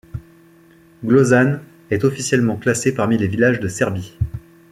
Gložan est officiellement classé parmi les villages de Serbie.